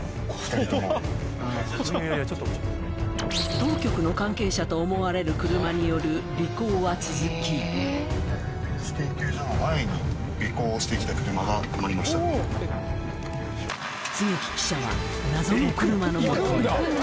当局の関係者と思われる車による尾行は続き槻木記者は行くんだ！